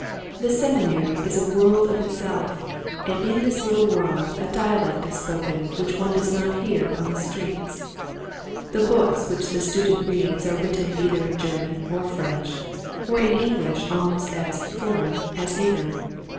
The Seminary is a world of itself, and in this little world a dialect is spoken which one does not hear on the streets. The books which the student reads are written either in German or French, or in EngHsh almost as " foreign " as either.